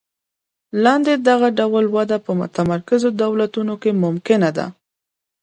لاندې دغه ډول وده په متمرکزو دولتونو کې ممکنه ده.